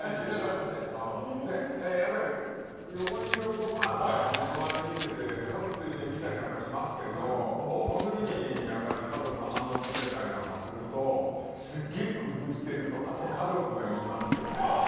やっぱり、横にいる男なんかはモノマネ見てて家族と一緒に見たりなんかしますけどその時に家族の反応を見てたりなんかするとすげえ工夫してるとかって家族が言いますよね。